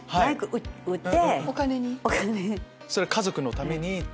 それは家族のためにって。